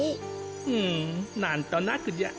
うんなんとなくじゃ。